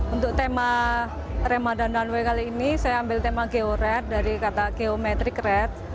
untuk tema ramadan runway kali ini saya ambil tema georet dari kata geometric red